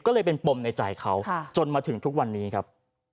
ก็เลยเป็นปมในใจเขาจนมาถึงทุกวันนี้ครับ